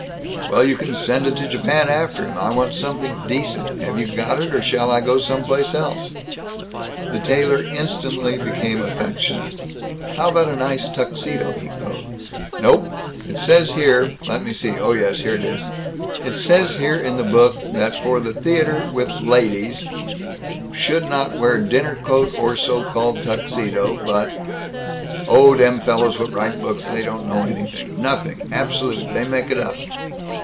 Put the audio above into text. "Well, you can send it to Japan after him. I want something decent. Have you got it or shall I go some place else?" The tailor instantly became affectionate. "How about a nice Tuxedo?" he coaxed. "Nope. It says here let me see oh yes, here it is it says here in the book that for the theater with ladies, should not wear 'dinner coat or so called Tuxedo, but '" "Oh, dem fellows what writes books they don't know nothing. Absolute! They make it up."